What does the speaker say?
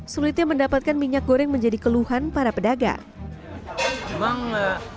sulitnya mendapatkan minyak goreng menjadi keluhan para pedagang